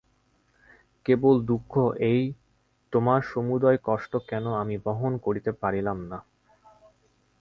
কেবল দুঃখ এই, তোমার সমুদয় কষ্ট কেন আমি বহন করিতে পারিলাম না।